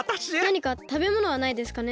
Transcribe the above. なにかたべものはないですかね？